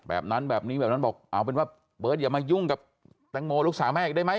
แบบนั้นแบบนี้แบบนั้นบอกเอาเป็นว่าเบิร์ตอย่ามายุ่งกับแตงโมลูกสาวแม่อีกได้ไหม